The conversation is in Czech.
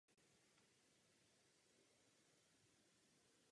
V současné době je v nabídce již šestá generace tohoto vozu.